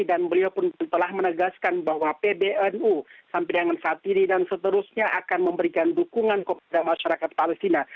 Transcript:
dan beliau pun telah menegaskan bahwa pbnu sampai dengan saat ini dan seterusnya akan memberikan dukungan kepada masyarakat palestina